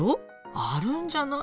あるんじゃない？